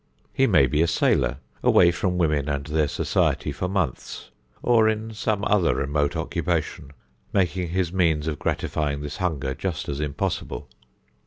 He may be a sailor away from women and their society for months, or in some other remote occupation making his means of gratifying this hunger just as impossible.